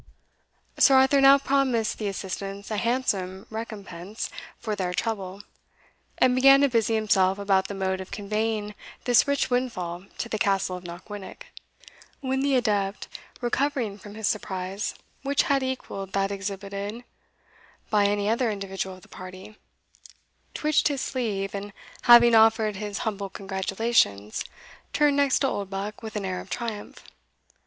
Sir Arthur now promised the assistants a handsome recompense for their trouble, and began to busy himself about the mode of conveying this rich windfall to the Castle of Knockwinnock, when the adept, recovering from his surprise, which had equalled that exhibited by any other individual of the party, twitched his sleeve, and having offered his humble congratulations, turned next to Oldbuck with an air of triumph.